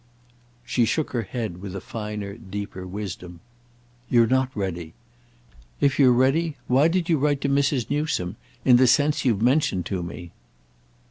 She shook her head with a finer deeper wisdom. "You're not ready. If you're ready why did you write to Mrs. Newsome in the sense you've mentioned to me?"